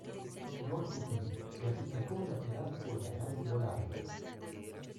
Norrköping clasificó a la Final por ganar un volado.